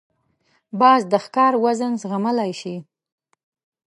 باز د ښکار وزن زغملای شي